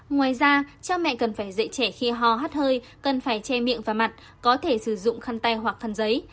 ngoài ra cha mẹ cần phải dạy trẻ khi ho hát hơi cần phải che miệng và mặt có thể sử dụng khăn tay hoặc khăn giấy